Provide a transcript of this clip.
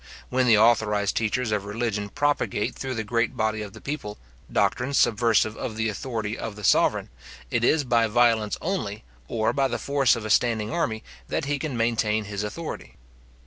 When the authorized teachers of religion propagate through the great body of the people, doctrines subversive of the authority of the sovereign, it is by violence only, or by the force of a standing army, that he can maintain his authority.